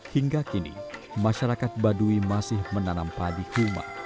hingga kini masyarakat baduy masih menanam padi kuma